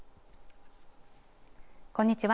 こんにちは。